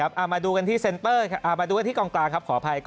อะมาดูกันที่กลางขออภัย